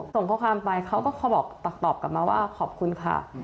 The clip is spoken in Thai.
ส่งข้อความไปเขาก็บอกตอบกลับมาว่าขอบคุณค่ะ